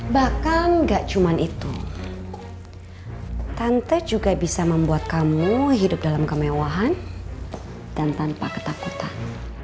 bahkan gak cuma itu tante juga bisa membuat kamu hidup dalam kemewahan dan tanpa ketakutan